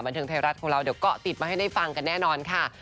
เทิงไทยรัฐของเราเดี๋ยวเกาะติดมาให้ได้ฟังกันแน่นอนค่ะ